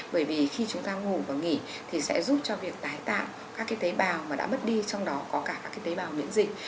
bởi vì khi chúng ta ngủ và nghỉ thì sẽ giúp cho việc tái tạo các cái tế bào mà đã mất đi trong đó có cả các tế bào miễn dịch